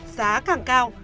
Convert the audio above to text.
giá càng cao